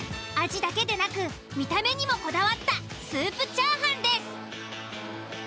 味だけでなく見た目にもこだわったスープチャーハンです。